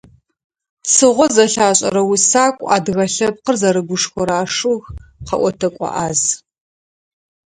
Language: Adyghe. Цыгъо зэлъашӀэрэ усакӀу, адыгэ лъэпкъыр зэрыгушхорэ ашуг, къэӀотэкӀо Ӏаз.